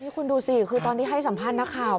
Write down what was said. คุณดูสิคือตอนที่ให้สัมภาษณ์นักข่าว